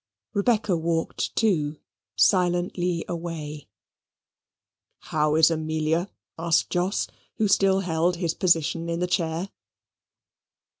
Rebecca walked, too, silently away. "How is Amelia?" asked Jos, who still held his position in the chair.